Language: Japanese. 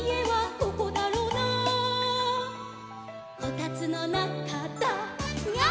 「こたつのなかだニャー」